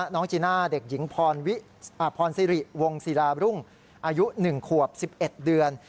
น้องจีน่าเด็กหญิงพรสิริวงศิลารุ่งอายุ๑ขวบ๑๑เดือน